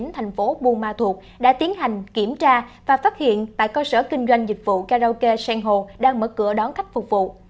tp buôn ma thuột đã tiến hành kiểm tra và phát hiện tại cơ sở kinh doanh dịch vụ karaoke sengho đang mở cửa đón khách phục vụ